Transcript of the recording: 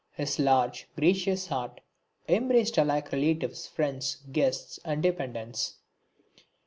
His large, gracious heart embraced alike relatives, friends, guests and dependants.